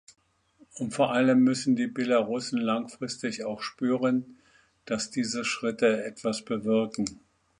Vor allem müssen die Belarussen langfristig auch spüren, dass diese Schritte etwas bewirken.